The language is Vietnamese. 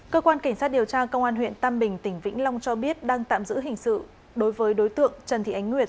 cơ quan cảnh sát điều tra công an huyện tam bình tỉnh vĩnh long cho biết đang tạm giữ hình sự đối với đối tượng trần thị ánh nguyệt